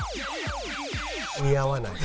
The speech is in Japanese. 似合わない。